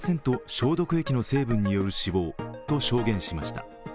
消毒液の成分による死亡と証言しました。